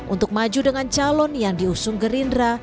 untuk maju dengan calon yang diusung gerindra